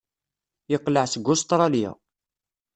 Yeqleɛ seg Ustṛalya.